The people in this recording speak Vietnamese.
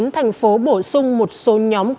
thành phố bổ sung một số nhóm